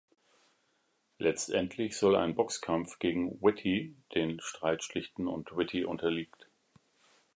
Letztendlich soll ein Boxkampf gegen Whitey den Streit schlichten und Whitey unterliegt.